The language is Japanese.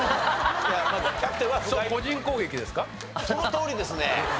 そのとおりですね。